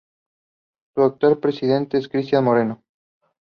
Su actual presidente es Cristián Moreno.